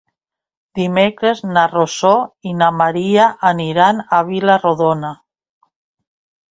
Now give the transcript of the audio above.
Dimecres na Rosó i na Maria iran a Vila-rodona.